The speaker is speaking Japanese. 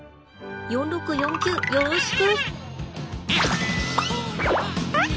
４６４９よろしく。